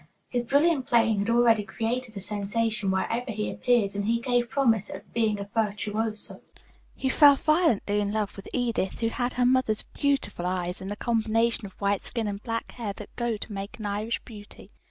His brilliant playing had already created a sensation wherever he appeared, and he gave promise of being a virtuoso. "He fell violently in love with Edith, who had her mother's beautiful blue eyes and the combination of white skin and black hair that go to make an Irish beauty.